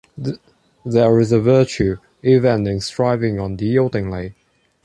There is a virtue even in striving unyieldingly.